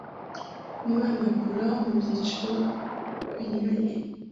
Umwana akura mu byiciro binyuranye